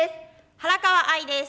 原川愛です。